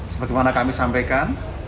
seperti mana kami sampaikan